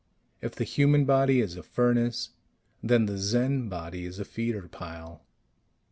If the human body is a furnace, then the Zen body is a feeder pile.